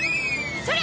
それ！